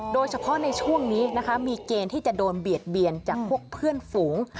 โดยเฉพาะในช่วงนี้นะคะมีเกณฑ์ที่จะโดนเบียดเบียนจากพวกเพื่อนฝูง